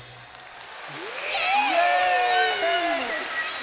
イエーイ！